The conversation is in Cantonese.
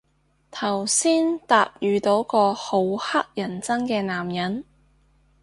頭先搭遇到個好乞人憎嘅男人